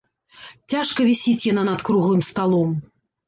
Цяжка вісіць яна над круглым сталом.